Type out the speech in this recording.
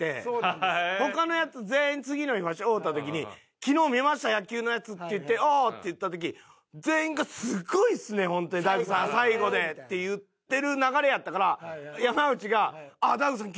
他のやつ全員次の日わし会うた時に「昨日見ました野球のやつ」って言って「ああ」って言った時全員が「すごいっすねホントに大悟さん最後で」って言ってる流れやったから山内が「大悟さん